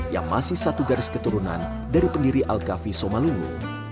yang masih satu garis keturunan dari pendiri al kafi somalungu